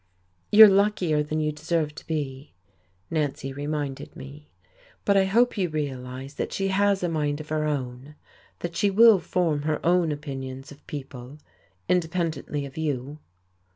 "You are luckier than you deserve to be," Nancy reminded me. "But I hope you realize that she has a mind of her own, that she will form her own opinions of people, independently of you."